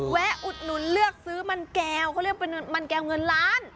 อุดหนุนเลือกซื้อมันแก้วเขาเรียกเป็นมันแก้วเงินล้าน